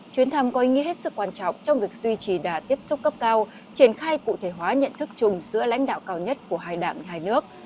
chuyến thăm có ý nghĩa hết sức quan trọng trong việc duy trì đà tiếp xúc cấp cao triển khai cụ thể hóa nhận thức chung giữa lãnh đạo cao nhất của hai đảng hai nước